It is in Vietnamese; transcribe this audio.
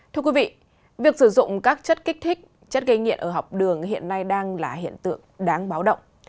thưa quý vị việc sử dụng các chất kích thích chất gây nghiện ở học đường hiện nay đang là hiện tượng đáng báo động